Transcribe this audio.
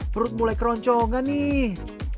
perut mulai keroncongan nih